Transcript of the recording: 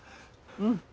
うん。